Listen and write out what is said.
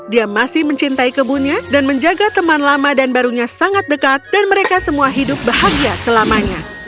dia masih mencintai kebunnya dan menjaga teman lama dan barunya sangat dekat dan mereka semua hidup bahagia selamanya